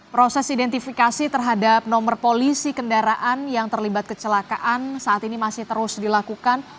proses identifikasi terhadap nomor polisi kendaraan yang terlibat kecelakaan saat ini masih terus dilakukan